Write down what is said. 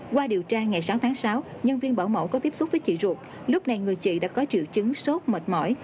qua điều tra ngày sáu tháng sáu nhân viên bảo mẫu có tiếp xúc với chị ruột lúc này người chị đã có triệu chứng sốt mệt mỏi